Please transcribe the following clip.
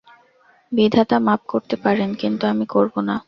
বিধাতা মাপ করতে পারেন, কিন্তু আমি করব না।